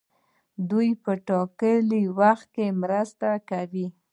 دوی په ټاکلي وخت کې مرسته کوي.